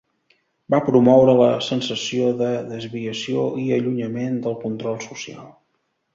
Va promoure la sensació de desviació i allunyament del control social.